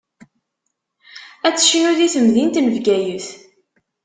Ad tecnu di temdint n Bgayet.